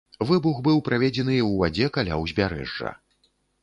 Выбух быў праведзены ў вадзе каля ўзбярэжжа.